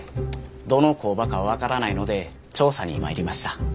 どの工場か分からないので調査に参りました。